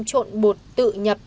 trộn bột tự nhập